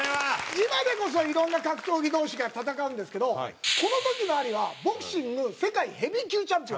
今でこそいろんな格闘技同士が戦うんですけどこの時のアリはボクシング世界ヘビー級チャンピオン。